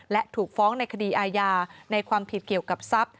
และถูกฟ้องในคดีอาญาในความผิดเกี่ยวกับทรัพย์